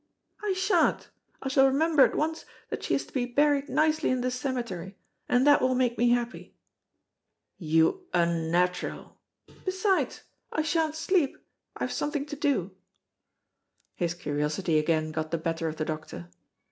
"I sha'n't, I shall remember at once that she is to be buried nicely in the cemetery, and that will make me happy." "You unnatural " "Besides, I sha'n't sleep, I have something to do." His curiosity again got the better of the doctor.